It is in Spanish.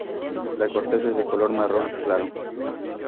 La corteza es de color marrón claro.